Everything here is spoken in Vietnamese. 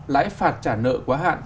lãi phạt trả nợ quá hạn